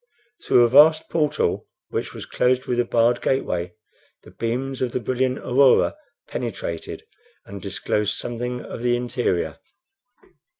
Through a vast portal, which was closed with a barred gateway, the beams of the brilliant aurora penetrated and disclosed something of the interior.